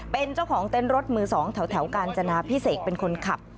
เป็นเจ้าของเต้นรถมือ๒แถวกาญจนาพิเศษเป็นคนขับ